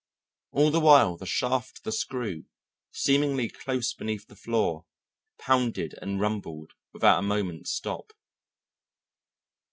All the while the shaft of the screw, seemingly close beneath the floor, pounded and rumbled without a moment's stop.